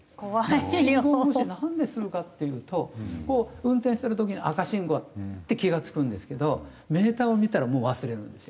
信号無視なんでするかっていうとこう運転してる時に赤信号って気が付くんですけどメーターを見たらもう忘れるんですよ。